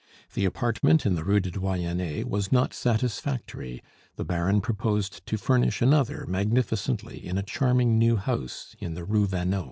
The apartment in the Rue du Doyenne was not satisfactory; the Baron proposed to furnish another magnificently in a charming new house in the Rue Vanneau.